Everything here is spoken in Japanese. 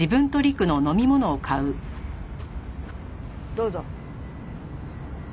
どうぞ。